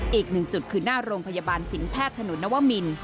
อีกหนึ่งจุดคือหน้าโรงพยาบาลสินแพทย์ถนนนวมิน